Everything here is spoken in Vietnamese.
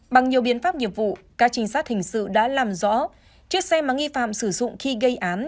bằng nhiều biện pháp nghiệp vụ các trinh sát hình sự đã làm rõ chiếc xe mà nghi phạm sử dụng khi gây án